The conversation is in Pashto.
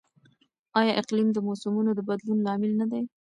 آیا اقلیم د موسمونو د بدلون لامل نه دی؟